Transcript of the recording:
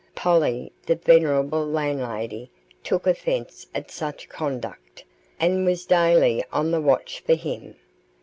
Polly, the venerable landlady, took offence at such conduct, and was daily on the watch for him.